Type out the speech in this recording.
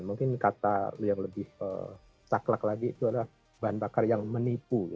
mungkin kata yang lebih saklak lagi itu adalah bahan bakar yang menipu